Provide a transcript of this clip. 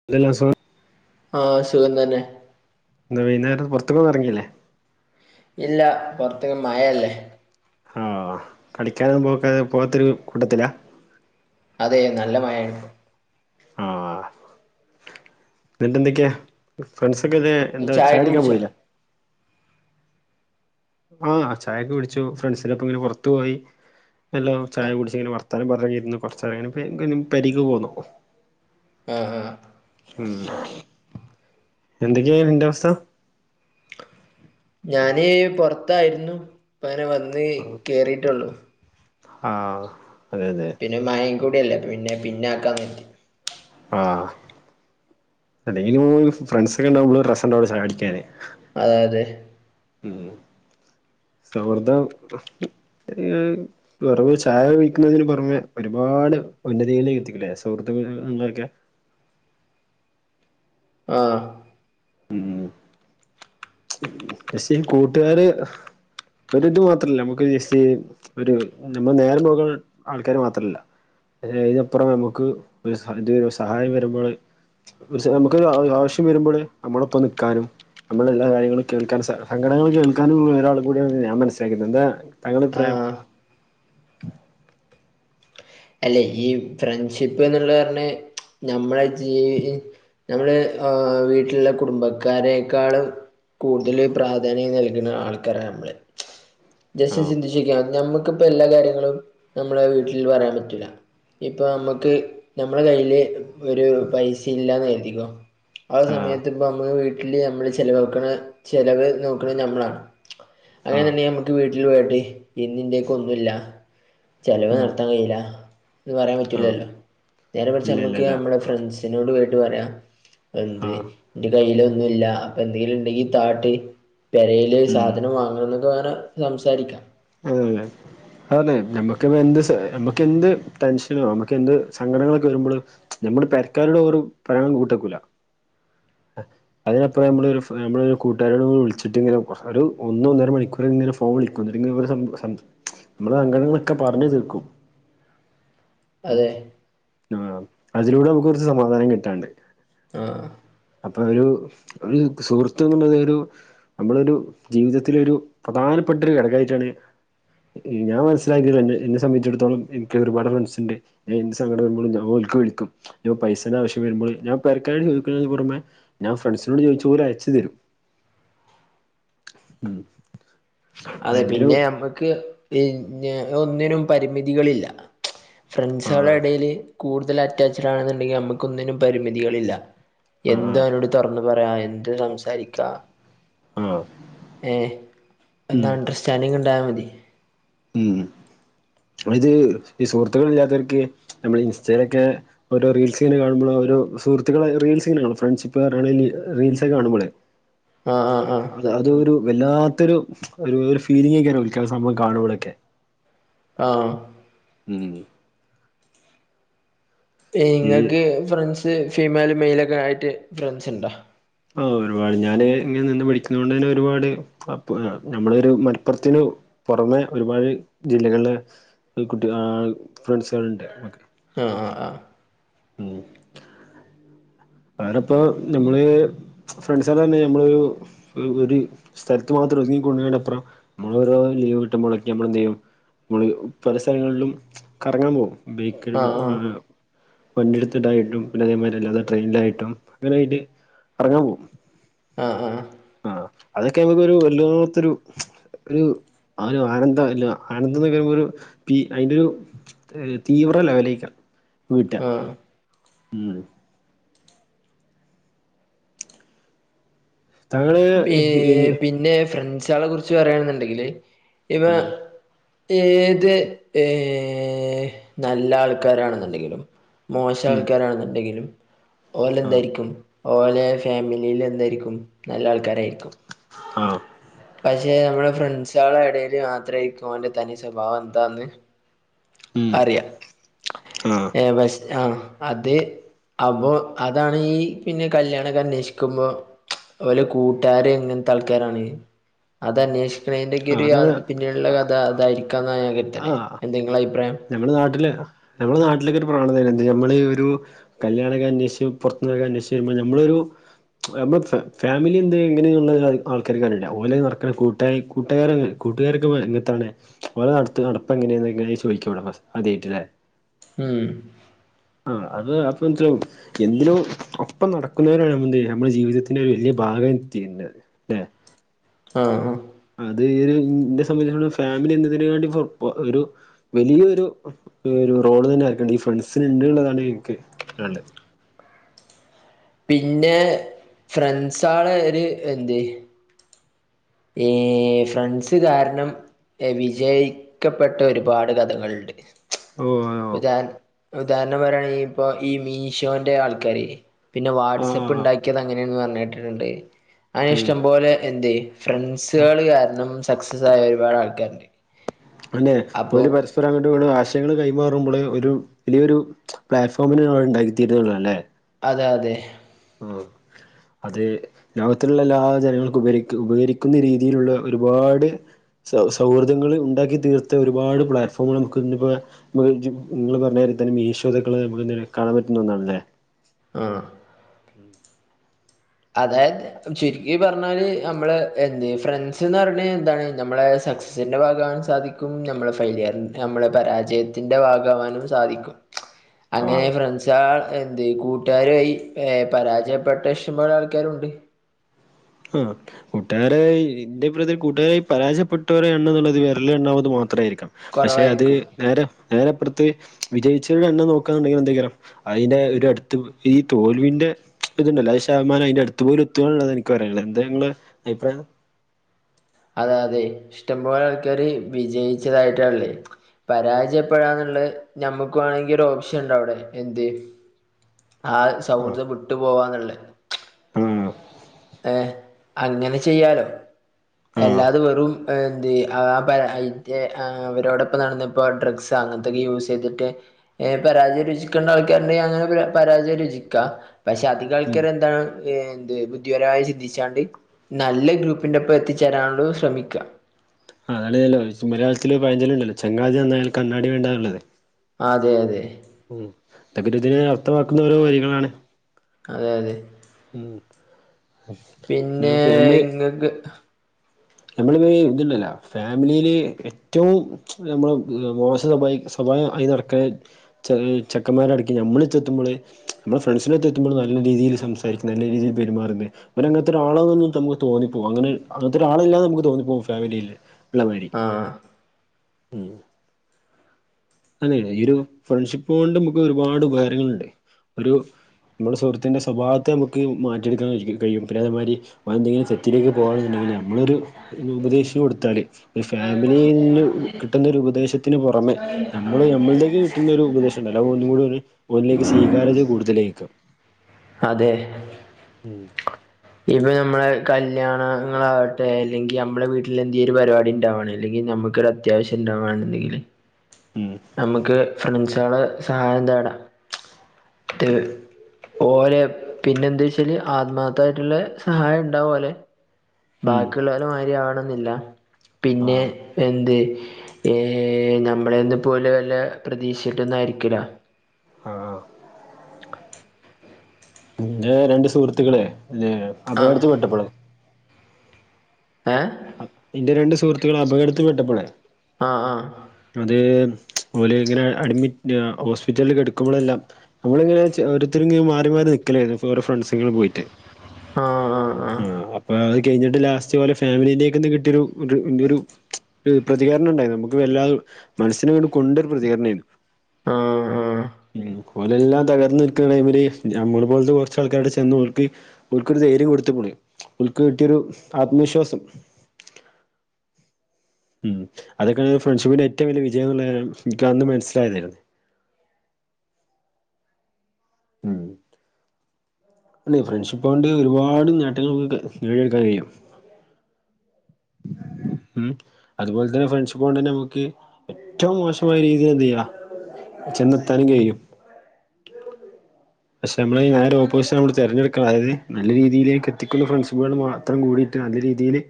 [inaudible] ആഹ് സുഖം തന്നേ. ന്ന് വെയ്ന്നേരം പൊറത്ത്ക്കൊന്നെറങ്ങീലേ? ഇല്ല പൊറത്ത് മഴേല്ലേ. ആ കളിക്കാനൊന്നും പോക്ക് പോകാത്തൊര് കൂട്ടത്തിലാ? അതേ നല്ല മയാണ്. ആഹ് ന്നിട്ടെന്തെക്ക്യാ? ഫ്രണ്ട്സൊക്കെതേ നീ എന്താ ചായൊക്കെ ചായുടിക്കാൻ കുടിച്ചോ പോയിലേ. ആഹ് ചായൊക്കെ കുടിച്ചു ഫ്രണ്ട്സിനൊപ്പങ്ങനെ പൊറത്ത് പോയി എല്ലോ ചായ ആഹ് കുടിച്ച് ഇങ്ങനെ പൊറത്ത് ത്താനം പറഞ്ഞൊക്കെ ഇരുന്ന് കൊറച്ച് കഴിഞ്ഞു പെരീക്ക് പോന്നൂ. ആഹ് ആഹ്. ഉം എന്തൊക്കേയി നിന്റവസ്ഥ ഞാന് പൊറത്തായിരുന്നു ഇപ്പങ്ങനെ വന്ന് കേറിട്ടോള്ളു. ആഹ്. അതെ അതെ പിന്നെ മഴീം കൂട്യല്ലേ അപ്പോപിന്നെ പിന്നൊക്കാന്നെ ആഹ് അല്ലെങ്കിലു ഫ്രണ്ട്സൊക്കെണ്ടാവുമ്പളേ ഒർരെസണ്ടാവൂചായുടിക്കാന്. ആഹ് അതെ. ഉം സൗഹൃദം ഒര് വെറുമൊരു ചായ വെയ്ക്കുന്നതിന് പുറമെ ഒരുപാട് ഉന്നതികലേക്ക് എത്തിക്ക്ലേ സുഹൃത്തുക്കേല്ലെക്കെ. ആഹ്. മ് പക്ഷേ ഈ കൂട്ട്കാര് ഒരിത് മാത്രല്ല അമ്മക്ക് ജെസ്റ്റ് ഒര് ഞമ്മൾ നേരം പോക്ണ ആൾക്കാര് മാത്രല്ല അയ്നപ്പുറം അമ്മക്ക് ഒരു [unintelligible] സഹായം വരുമ്പള് അമ്മക്ക് അ ആവശ്യം വെരുമ്പള് അമ്മളൊപ്പം നിക്കാനും അമ്മളെല്ലാ കാര്യം കേൾക്കാന് സഹാ സങ്കടങ്ങള് കേൾക്കാനും ഒരാളും കൂടിയാണ് ഞാൻ മനസ്സിലാക്കിയത് എന്താ താങ്കൾടെ അഭിപ്രായം? ആഹ് അല്ലെ ഈ ഫ്രണ്ട്ഷിപ്പ്ന്ന്ള്ള് പർഞ്ഞ് ഞമ്മളെ ജീവി ഞങ്ങള് വീട്ടില്ള്ള കുടുംബക്കാരേക്കാളും കൂട്തല് പ്രാധാന്യം നൽക്ണ ആൾക്കാരാ അമ്മള് ജസ്റ്റ് ആ ചിന്തിച്ചോക്ക്യാ ഞമ്മക്ക്പ്പം എല്ലാ കാര്യങ്ങളും ഞമ്മളെ വീട്ടില് പറയാൻ പ റ്റുല ഇപ്പ അമ്മക്ക് ഞമ്മളെ കയ്യില് ഒരു പൈസീല്ലാന്ന് കര്തിക്കോ ആഹ് ആ സമയത്ത് ഇപ്പ അമ്മള് വീട്ടില് അമ്മള് ചെലവാക്ക്ണെ ചെലവ് നോക്ക്ണേ ഞമ്മളാണ് ആ അങ്ങനെന്ന്ണ്ടേ അമ്മക്ക് വീട്ടില് പോയിട്ട് ഇന്നിന്റേക്കൊന്നുല്ല ചെലവ് ഉം നടത്താം കയ്യൂലാ അത് പറയാൻ ആ പറ്റൂലല്ലോ നേരെ മർച്ച് ഇല്ല ഇല്ല നമ്മക്ക് ഇല്ല അമ്മളെ ഫ്രെണ്ട്സിനോട് പോയിട്ട് പറയാ എന്ത് ആഹ് ന്റെ കയ്യിലൊന്നുല്ലാ അപ്പ എന്തെങ്കില് ഇണ്ടെങ്കി താട്ട് പെരേല് ഉം സാധനം വാങ്ങണം [unintelligible] സംസാരിക്കാം [unintelligible] അതെ ഞമ്മക്കിപ്പെന്ത് ഞമ്മക്കെന്ത് ടെൻഷനോ ഞമ്മക്കെന്ത് സങ്കടങ്ങളൊക്കെ വെരുമ്പള് ഞമ്മള് പെരക്കാരോട് ഓറും പറയാ കൂട്ടാക്കൂല അതിനപ്പുറം ഞമ്മള് ഞമ്മളൊരു കൂട്ടാരോട് വിൾച്ചിട്ട് ഇങ്ങനെ ഒര് ഒന്ന് ഒന്നര മണിക്കൂറ്ങ്ങനെ ഫോ ഫോൺ വിളിക്കും ഇന്നട്ട്ങ്ങനെ സം സം അമ്മള് അങ്ങനൊക്കെ പറഞ്ഞ് തീർക്കും. ഉം അതെ ആഹ് അതിലൂടെ നമുക്ക് കോർച്ച് സമാധാനം കിട്ടാണ്ട് ആഹ് അപ്പൊരു ഒരു സുഹൃത്തുന്ന്ള്ളത് ഒരു നമ്മളൊരു ജീവിതത്തില് ഒരു പ്രധാനപ്പെട്ട ഒരു ഘടകായിട്ടാണ് ഞാൻ മനസ്സിലാക്കിയത് എന്നെ എന്നെ സംബന്ധിച്ചിടത്തോളം എനിക്ക് ഒരുപാട് ഫ്രണ്ട്സ്ണ്ട് ഞാ എന്ത്‌ സങ്കടം വരുമ്പളും ഞാൻ ഓൽക്ക് വിളിക്കും ഇനി പൈസന്റെ ആവശ്യം വരുമ്പളും ഞാൻ പെരക്കാരോട് ചോയ്ക്ണെതിന്റെ പൊറമേ ഞാൻ ഫ്രണ്ട്സിനോട് ചോദിച്ചാ ഓല് അയച്ച് തരും അപ്പൊ അതെ എന്തിനു പിന്നെ അമ്മക്ക് പിന്നെ ഒന്നിനും പരിമിതികളില്ല. ഫ്രൺസാളെ ആഹ് എടില് കൂടുതല് അറ്റാച്ച്ഡ് ആണ്ന്ന്ണ്ടെങ്കി നമുക്കൊന്നിനും പരിമിതികളില്ല എന്തും ആഹ് ഓലോട്‌ തോറെന്ന് പറയാ എന്തും സംസാരിക്കാ ആഹ് ഏഹ് ഒന്ന് ഉം അണ്ടർസ്റ്റാൻിങ് ഇണ്ടായാ മതി ഉം ഇത് ഈ സുഹൃത്ത്ക്കളി ല്ലാത്തോൽക്ക് നമ്മള് ഇൻസ്റ്റയിലൊക്കെ ഓരോ റീൽസ്ങ്ങനെ കാണുമ്പോളോരോ സുഹൃത്ത്ക്കളെ റീൽസിങ്ങനെ കാണും ഫ്രണ്ട്ഷിപ്പ് പർഞ്ഞാണ്ട് റീൽസൊക്കെ കാണുമ്പളെ [inaudible] ആഹ് ആഹ് അത് ഒരു വല്ലാത്തൊരു ഒരു ഫീലിഗ്ങ്ങെക്കാരം ഓൽക്കാ സംഭവം കാണുമ്പളോക്കെ ആഹ് ഉം ഈ ഇങ്ങക്ക് ഫ്രൺസ് ഫീമേലും മെയ്ലും ഒക്കെ ആയിട്ട് ഫ്രൺസ്ണ്ടോ? ആഹ് ഒരുപാട് ഞാന് ഇങ്ങനെ നിന്ന് പഠിക്കുന്നേണ്ടെന്നെ ഒരു പാട് [unintelligible] നമ്മളൊരു മലപ്പുർത്തിനു പോറെമെ ഒരുപാട് ജില്ലകളിലെ കുട്ടി ഹാ ഫ്രെൺസാള് ഇണ്ട് നമ്മക്ക് ആഹ് ആഹ് ആഹ് ഉം ഞാന്പ്പോ നമ്മള് ഫ്രൺ [unintelligible] ഒര് ഒരു സ്ഥലത്ത് മാത്രം ഒതുങ്ങി കൂടുന്നതിനപ്പുറം നമ്മളെരോ ലീവ് കിട്ടുമ്പോഴെക്കെ നമ്മളെന്തെയ്യും മ്മള് പല സ്ഥലങ്ങള്ളും കറങ്ങാൻ പോവും ബൈക്കേലും ആ വണ്ടെടുത്തിട്ടായിട്ടും പിന്നതേമാതിരില്ലാതെ ട്രെയിനിലായിട്ടും അങ്ങനെ അയി്ട്ട് ക റങ്ങാൻ പോകോ ആആ ആ, അതൊക്കെ നമുക്കൊരു വല്ലാ ത്തൊരു ഒരു ആനു ആനന്ദ അല്ലോ ആനന്ദന്ന് കേക്കുമ്പോ പി അയിന്റെ ഒരു തീവ്ര ലെവലീക്ക വീട്ട ആ ഉം താങ്കള് പീ ഇനി പിന്നെ ഫ്രണ്ട്സേളെ കുറിച്ച് പറയണെന്നുണ്ടെങ്കില് ഇവൻ ഏത് ഏഹ് നല്ല ആൾക്കാരാണെന്നുണ്ടെങ്കിലും. ഉം മോശാൾക്കാരാണ്ന്ന്ണ്ടെങ്കിലും ആഹ് ഓലെന്തായിരിക്കും ഓലെ ഫാമിലിയിൽ എന്തായിരിക്കും നല്ല ആൾക്കാരായിരിക്കും. ഹാഹ് ഹാ പക്ഷേ നമ്മുടെ ഫ്രണ്ടസേളെ ഇടയിൽ മാത്രായിരിക്കും ഓന്റെ തനി സ്വഭാവം എന്താന്ന്. [inaudible] ഉം അറിയ ആഹ് ഏഹ് പക്ഷ ആഹ് അത് അപ്പോ അതാണ് ഈ പിന്നെ കല്യാണക്കന്നേഷിക്കുമ്പോ ഒലെ കുട് ട്ടാര് ങ്ങനത്തെ ആൾക്കാരാണ്. അത് അന്വേഷിക്കണെന്റെ ആഹ് ഒരു യാ അതാണ് ള്ള കഥ അതായിരിക്കാ ന്നാ ഞാൻ കരുതെണെ എന്തെങ്ങെളെ അഭിപ്രായം? നമ്മുടെ നാട്ടില് നമ്മളുടെ നാട്ടിലൊക്കെ ഒരു പ്രവണത എന്ത് നമ്മൾ ഒരു കല്യാണക്കന്നേഷിച്ചു പുറത്തുള്ളോരേ ക്കെ അന്വേഷിച്ചു വരുമ്പോൾ നമ്മളൊരു നമ്മളെ ഫാ ഫാമിലി എന്ത എങ്ങനെയുള്ളത് ന്ന് ആൾക്കാര് ക്ക റീല ഓല നടക്കണ കൂട്ടായി ണ്ട്. കൂട്ടുകാരുണ്ട് കൂട്ടുകാരൊക്കെ പ്പോ എങ്ങനത്തെണ് ഓലെ വിടത്ത നടപ്പെങ്ങനെ എങ്ങനെയ ചോദിക്കട അത ആട്ടല്ലേ ഉം ആഹ് അത് അപ്പൊ വേണ് ച്ചാൽ എന്തിനും ഒപ്പം നടക്കുന്നവരാണ് നമ്മലെന്ദചെയ്യാ നമ്മുടെ ജീവിതത്തിന്റെ ഒരു വലിയ ഭാഗായി തീർന്നത്. ആഹ അത് ഈ ഒരു ഇെ സംബന്ധിച്ചട ഫാമിലി എന്നതിനന് വേണ്ടി ഒരു വലിയൊരു ഒരു റോള് തന്നെ ആയിക്കണ്ട് ഈ ഫ്രണ്ട്സിിന ഉണ്ട്ള്ളതാണ് എനിക്ക്ത് പിന്നെ ഫ്രണ്ട്സ ആള് ഒരു എന്ത് ഈ ഫ്രണ്ട്സ് കാരണം വിജയിക്കപ്പെട്ട ഒരുപാട് കഥകളുണ്ട് ഓഹ് ഉദാഹരണം പറയാണെ ഇപ്പോ ഈ മീഷോന്റെ ആൾക്കാാര് പിന്നെ ആഹ് വാട്സപ്പ് ആഹ് ഉണ്ടാക്കിയത് അങ്ങനെയെന്ന് പറഞ്ഞിട്ടിട്ടുണ്ട് അങ്ങെ ഉം നെഇഷ്ടംപോലെ എന്ത് ഫ്രണ്ട്സുകള് കാരണം സക്സസ് ആയ ഒരുപാട് ആൾക്കാരുണ്ട് [unintelligible] അപ്പൊ ഒരാ ൾഅങ്ങോട്ട് ആശയങ്ങൾ കൈമാറുമ്പോൾേ ഒരു വലിയൊരു പ്ലാറ്റ്ഫോമിനന് അവിടെ ഉണ്ടാക്കിത്തീരുന്നുള്ളൂ അല്ലേ അതെ അതെ ഉം അതേലോകത്തിലുള്ള എല്ലാ ജനങ്ങൾക്കും ഉപ ഉപകരിക്കുന്ന രീതിയിലുള്ള ഒരുപാട് സൗഹൃദങ്ങൾ ഉണ്ടാക്കി തീർത്ത ഒരുപാട് പ്ലാറ്റ്ഫോമുകൾ നമുക്ക് ഇതിപ്പോൾ നിങ്ങങ്ങള് പറഞ്ഞ മീശോകളെ നമു കാണൻ പറ്റുന്ന ഒന്നാണ് അല്ലേ ആ [unintelligible] അതായത് ചുരുക്കി പറഞ്ഞാല് നമ്മള് ഫ്രണ്ട്സ്പറഞ്ഞ എന്താണ് നമ്മളെ സക്സസിന്റെ ഭാഗൻ സാധിക്കും നമ്മൾ ഫെലിയർ നമ്മളെ പരാജയത്തിൻ്റെ ഭാഗവാനും സാധിക്കും [inaudible] അങ്ങനെ ഫ്രണ്ട്സ് ആ കൂട്ടുകാരുമായി ഏ പരാജയപ്പെട്ട ഇഷ്ടംപോലെ ആൾക്കാരുണ്ട് ആ കൂട്ടുകാരെ ഇന്റെ പ്രൽ കൂട്ടുകാരായി പരാജയപ്പെട്ടവരെ എന്നുള്ളത് വെരല എണ്ണാകുന്നത് മാത്ര ആയിരിക്കണം പക്ഷെ അത് കുറവായിരിക്കും നേരെ നേരെപ്പുറത്ത് വിജയിച്ചവടെ തന്നെ നോക്കുകന്നുണ്ടെങ്കിൽ എന്തങ്കാരം അതിന്റെ ഒരു അടുത്ത് ഈ തോൽവിന്റെ ഇതുണ്ടല്ല അത് ശതമാനം അതിന്റെ അടുത്തപോലെ എത്തുള്ളതായിരിക്കും [unintelligible] എന്താ നിങ്ങള് അഭിപ്രായം അതെ അതെ ഇഷ്ടംപോലെ ആൾക്കാര് വിജയിച്ചതായിട്ടാ ഇള്ളേ പരാജയപ്പെടാന്നുള്ള ഞമ്മുക്ക് വേണെങ്കിൽ ഒരു ഓപ്ഷൻ ഇണ്ടവിടെ എന്ത് ആ ആഹ് സൗഹൃദം വിട്ടു പോവാന്നുള്ളേ ആഹ് ഏഹ് അങ്ങനെ ചെയ്യാലോ ആഹ് അല്ലാതെ വെറും എന്ത് ആ പ ഇ അവരോടൊപ്പം നടന്ന ഇപ്പോ ഡ്രഗ്സ് അങ്ങനത്തൊക്കെ യൂസ് ചെയ്തിട്ട് ഏ പരാജയ രുചിക്കണ്ട ആൾക്കാര്ണ്ടെങ്കി അങ്ങനെ പരാ പരാജയ രുചിക്ക പക്ഷെ അധിക ആൾക്കാർ എന്താണ് എന്ത് യുക്തിപരായി ചിന്തിച്ചാണ്ട് നല്ല ഗ്രൂപ്പിന്റെ ഒപ്പം എത്തിച്ചേരാനുള്ള ശ്രമിക്ക ആഹ് അതളിയാല്ലോ മലയാളത്തിൽ ഒരു പയഞ്ചൊല്ലുണ്ടല്ലോ ചങ്ങാതി നന്നായാൽ കണ്ണാടി വേണ്ടാഇള്ളത് അതെ അതെ ഉം ഇതൊക്കൊരു ഇതിനെ അർഥമാക്കുന്ന ഓരോ വരിങ്ങളാണ്. അതെ അതെ ഉം [unintelligible] ഞമ്മള് നഗ് നമ്മളിപ്പ ഈ ഇതുണ്ടല്ലോ ഫാമിലീല് എറ്റവും നമ്മള് മോശ സ്വഭായി സ്വഭാവാ ആയി നടക്കൽ ചെ ചെക്കന്മാരടയ്ക്ക് ഞമ്മള് ചെത്തുമ്പൊള് നമ്മൾ ഫ്രണ്ട്സിനത്ത് എത്തുമ്പൊള് നല്ല രീതീല് സംസാരിക്കുന്നു നല്ല രീതീല് പെരുമാറുന്ന് അവനങ്ങനത്തെ ഒരാളാന്നൊന്നും തോന്നിപ്പോകും അങ്ങനെ അങ്ങനത്തെ ഒരാളല്ലാന്ന് നമുക്ക് തോന്നിപ്പോകും ഫാമിയില് ഇള്ളപ്പെ ആഹ് അതെയതെ ഈ ഒരു ഫ്രണ്ട്ഷിപ്പ് കൊണ്ട് നമുക്ക് ഒരുപാട് ഉപകാരങ്ങളുണ്ട് ഒരു നമ്മുടെ സുഹൃത്തിന്റെ സ്വഭാവത്തെ നമുക്ക് മാറ്റിയെടുക്കാൻ കഴിയും പിന്നെ അതേമാതിരി എന്തെങ്കിലും തെറ്റിലേക്ക് പോകാണെന്നുണ്ടെങ്കില് നമ്മളൊരു ഉപദേശിച്ചു കൊടുത്താലേ ഒരു ഫാമിലീല് കിട്ടുന്നൊരു ഉപദേശത്തിന് പൊറമെ നമ്മള് നമ്മളിലേക്ക് കിട്ടുന്ന ഒരു ഉപദേശിണ്ടല്ലോ ഒന്നുംകൂടെ ഒന്നിലേക്ക് സ്വീകാര്യത കൂടുതലേക്കാം അതെ ഉം ഇപ്പ നമ്മടെ കല്യാണാങ്ങളാവട്ടെ അല്ലെങ്കി അമ്മടെ വീട്ടിലെന്തീലും ഒരു പരിപാടി ഇണ്ടാവണം അല്ലെങ്കിൽ നമ്മുക്കടെ അത്യാവശ്യം ഉണ്ടാവാണുണ്ടെങ്കില് ഉം നമ്മക്ക് ഫ്രണ്ട്സുകളെ സഹായം തേടാം ഇത് ഓലെ പിന്നെന്താച്ചാല് ആത്മാത്ഥായിട്ടുള്ളേ സഹായം ഇണ്ടാവൂ ഓലെ ഉം ബാക്കിയുള്ളോരെ മാരി ആവണെന്നില്ല പിന്നെ ആഹ് എന്ത് ഏ നമ്മളെന്ന് പോലുവല്ല പ്രതീക്ഷിട്ടൊന്നും ആയിരിക്കൂല ആഹ് എൻ്റെ രണ്ട് സുഹൃത്തുക്കളെ ലെ ആ അപകടത്തിൽ പെട്ടപ്പോളെ ഏഹ് അ ഇൻ്റെ രണ്ട് സുഹൃത്തുക്കൾ അപകടത്തി പെട്ടപ്പോളേ ആ ആ അതേ ഓലെയിങ്ങനെ അഡ്മിറ്റ് ഹോസ്പിറ്റലിൽ കിടക്കുമ്പോളെല്ലാം നമ്മളിങ്ങനെ ഓരോരുത്തരിങ്ങനെ മാറി മാറി നിക്കലായിരുന്നു ഓരോ ഫ്രണ്ട്‌സ്ങ്ങളും പോയിട്ട് ആഹ് ആഹ് ആഹ് അപ്പൊ അത് കയിഞ്ഞിട്ട് ലാസ്റ്റ് ഓലെ ഫാമിലിന്റെക്ക്ന്ന് കിട്ടിയൊരു ഒരു ഒരു ഒരു പ്രതികരണം ഉണ്ടായി നമുക്ക് വെല്ലാതു മനസ്സിനുവീണ്ടും കൊണ്ടൊരു പ്രതികർണേനും ആഹ് ആഹ് ഓനെല്ലാം തകർന്ന് നിൽക്കാണെടൈമില് ഞമ്മൾ പോലത്തെ കുറച്ചാൾക്കാർടെ ചെന്നോർക്ക് ഓൽക്കൊരു ധൈര്യം കൊടുത്തപ്പൊള് ഓൽക്ക് കിട്ടിയൊരു ആത്മവിശ്വാസം ഉം അതൊക്കെയാണ് ഒരു ഫ്രണ്ട്ഷിപ്പിന്റെ ഏറ്റവും വലിയ വിജയംന്നുള്ളെ എനിക്കന്ന് മസ്സിലായാതാരുന്നു ഉം അല്ലെ ഫ്രണ്ട്ഷിപ്പുകൊണ്ട് ഒരുപാട് നേട്ടങ്ങളൊക്കെ നേടിയെടുക്കാൻ കഴിയും ഉം അതുപോലെ തന്നെ ഫ്രണ്ട്ഷിപോണ്ടന്നെ നമ്മുക്ക് ഏറ്റവും മോശമായ രീതീലെന്തെയ്യാ ചെന്നെത്താനും കഴിയും [inaudible] പക്ഷെയമ്മള് ഈ നേരെഓപ്പോസിഷൻ നമ്മൾ തെരഞ്ഞെടുക്കണം അതായത് നല്ല രീതിയിലേക്കെത്തിക്കുന്ന ഫ്രണ്ട്സുകളു പത്രം കൂടിയിട്ട് അതിലിതീല്